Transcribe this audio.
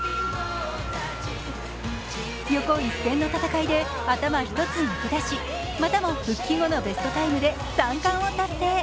横一線の戦いで頭一つ抜け出し、またも復帰後のベストタイムで３冠を達成。